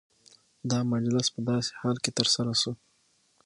دا مجلس په داسي حال کي ترسره سو،